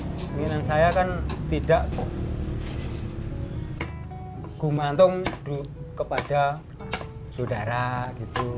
tujuan saya kan tidak kumantung kepada saudara gitu